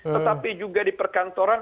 tetapi juga di perkantoran